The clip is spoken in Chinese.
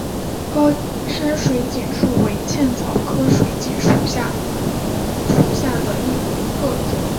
高山水锦树为茜草科水锦树属下的一个种。